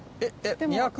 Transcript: ２００？